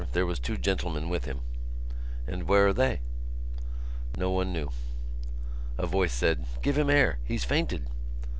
There was two gentlemen with him." "And where are they?" No one knew; a voice said: "Give him air. He's fainted."